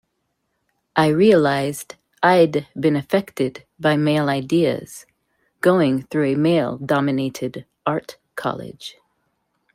I realized I'd been affected by male ideas, going through a male-dominated art college.